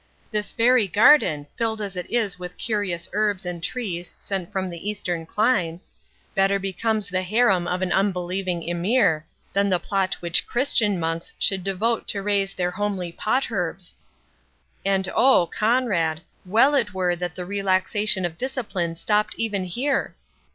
This very garden, filled as it is with curious herbs and trees sent from the Eastern climes, better becomes the harem of an unbelieving Emir, than the plot which Christian Monks should devote to raise their homely pot herbs.—And O, Conrade! well it were that the relaxation of discipline stopped even here!